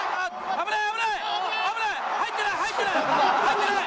危ない！